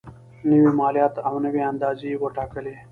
نوي مالیات او نوي اندازې یې وټاکلې.